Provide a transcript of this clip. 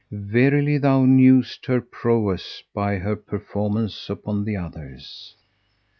Verily thou knewest her prowess by her performance upon the others."